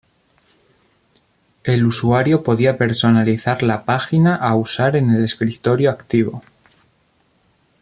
El usuario podía personalizar la página a usar en el escritorio activo.